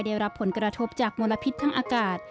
ได้รับผลกระทบจากมลพิษทางอากาศ